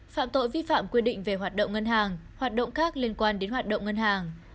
phạm tội vi phạm quy định về hoạt động ngân hàng hoạt động khác liên quan đến hoạt động ngân hàng